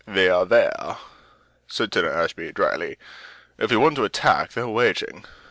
"They're there," said Turner Ashby, dryly. "If we want to attack they're waiting."